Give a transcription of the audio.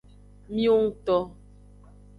Miwongto.